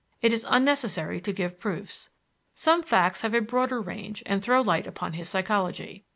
It is unnecessary to give proofs. Some facts have a broader range and throw light upon his psychology.